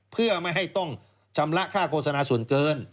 เพื่อไม่ให้ต้องชำระค่าโฆษณาส่วนเกิน